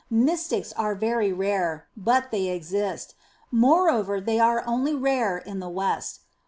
Mystics are very rare, but they exist. Moreover they are only rare in the West.